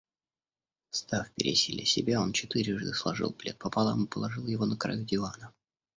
Встав пересиля себя, он четырежды сложил плед пополам и положил его на краю дивана.